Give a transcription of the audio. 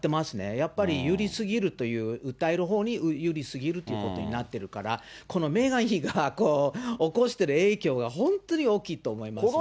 やっぱり緩すぎるという、訴えるほうに緩すぎるということになってるから、このメーガン妃が起こしてる影響が、本当に大きいと思いますね。